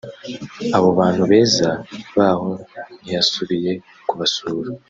abo bantu beza baho ntiyasubiye kubasura